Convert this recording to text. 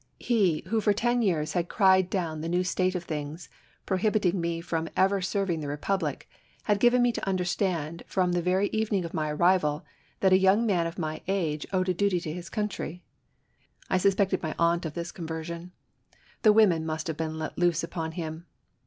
He, who for ten years had cried down the new state oT things, prohibiting me from ever serving the Eepublic, had given me to understand from the very evening of my arrival that a young man of my age owed a duty to his country. I suspected my aunt of this conversion. The women must have been let loose upon him.